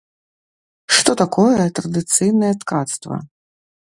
Што такое традыцыйнае ткацтва?